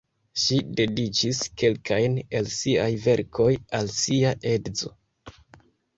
Ŝi dediĉis kelkajn el siaj verkoj al sia edzo.